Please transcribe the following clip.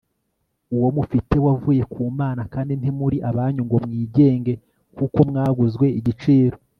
uwo mufite wavuye ku mana? kandi ntimuri abanyu ngo mwigenge kuko mwaguzwe igiciro